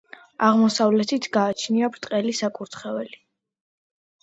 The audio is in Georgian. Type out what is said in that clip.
აღმოსავლეთით გააჩნია ბრტყელი საკურთხეველი.